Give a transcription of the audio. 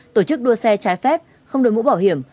tổ chức đua xe trái phép không đổi mũ bảo hiểm